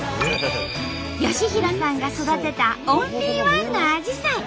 良浩さんが育てたオンリーワンのアジサイ。